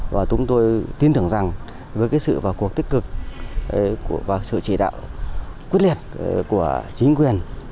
và chúng tôi tin tưởng rằng với sự vào cuộc tích cực và sự chỉ đạo quyết liệt của chính quyền